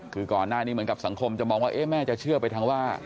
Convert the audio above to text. คือก่อนหน้านี้เหมือนกับสังคมจะมองว่าแม่จะเชื่อไปทางว่า